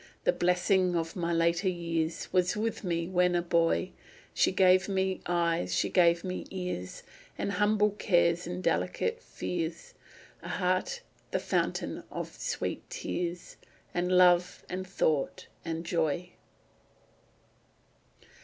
The Blessing of my later years Was with me when a boy: She gave me eyes, she gave me ears; And humble cares, and delicate fears; A heart, the fountain of sweet tears; And love, and thought, and joy.